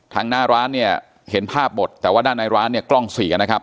หน้าร้านเนี่ยเห็นภาพหมดแต่ว่าด้านในร้านเนี่ยกล้องเสียนะครับ